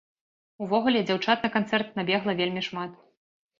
Увогуле, дзяўчат на канцэрт набегла вельмі шмат.